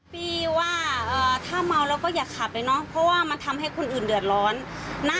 พี่ว่าถ้าเมาแล้วก็อย่าขับเลยเนาะเพราะว่ามันทำให้คนอื่นเดือดร้อนนะ